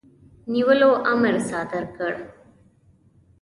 نیولو امر صادر کړ.